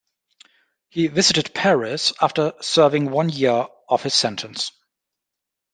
He visited Paris, after serving one year of his sentence.